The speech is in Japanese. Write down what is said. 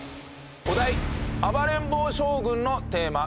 お題『暴れん坊将軍のテーマ』。